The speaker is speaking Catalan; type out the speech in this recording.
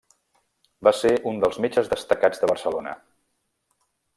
Va ser un dels metges destacats de Barcelona.